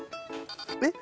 えっ？